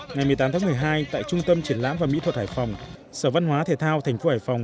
ngày một mươi tám tháng một mươi hai tại trung tâm triển lãm và mỹ thuật hải phòng sở văn hóa thể thao thành phố hải phòng